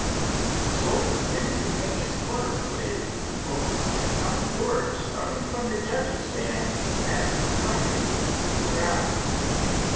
A sort of instantaneous flutter pervaded the people as some word starting from the judge's stand passed electrically through the crowd.